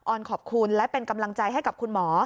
อนขอบคุณและเป็นกำลังใจให้กับคุณหมอ